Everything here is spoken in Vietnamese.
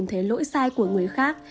nhìn thấy lỗi sai của người khác